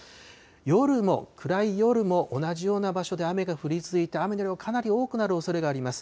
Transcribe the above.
夜も、暗い夜も同じような場所で雨が降り続いて、雨の量、かなり多くなるおそれがあります。